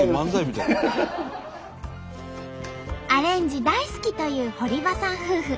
アレンジ大好きという堀場さん夫婦。